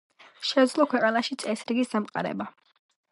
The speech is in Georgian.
შეძლო ქვეყანაში წესრიგის დამყარება.